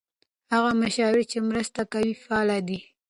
هغه مشاور چې مرسته کوي فعال دی.